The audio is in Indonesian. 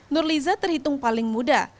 nurliza terhitung paling muda